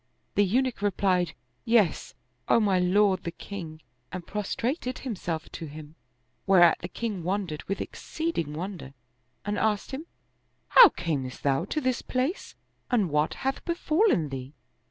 The Eunuch replied, "Yes, O my lord the king," and prostrated himself to him ; whereat the king wondered with exceeding wonder and asked him, "How camest thou to this place and what hath befallen thee?